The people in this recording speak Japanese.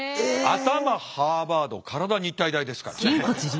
頭ハーバード体日体大ですから。